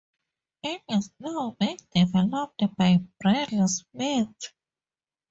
It is now being developed by Bradley Smith.